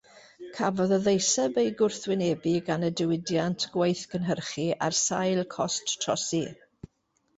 Cafodd y ddeiseb ei gwrthwynebu gan y diwydiant gweithgynhyrchu, ar sail cost trosi.